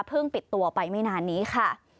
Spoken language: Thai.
ปิดตัวไปไม่นานนี้ค่ะ